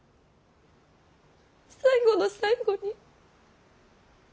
最後の最後に。